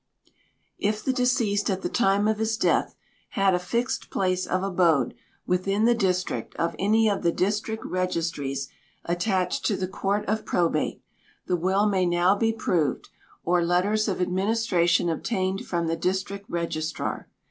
If the deceased at the time of his death had a fixed place of abode within the district of any of the District Registries attached to the Court of Probate, the will may now be proved, or letters of administration obtained from the district registrar.